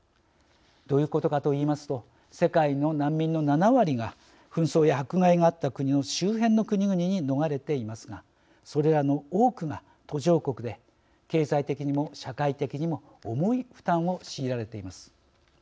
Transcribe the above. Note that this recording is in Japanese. どういうことかと言いますと世界の難民の７割が紛争や迫害があった国の周辺の国々に逃れていますがそれらの多くが途上国で経済的にも社会的にも重い負担を強いられています。